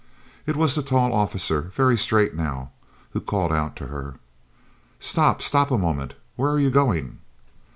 It was the tall officer, very straight now, who called out to her: "Stop, stop a moment. Where are you going?"